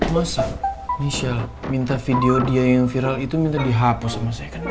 masa bisa minta video dia yang viral itu minta dihapus sama second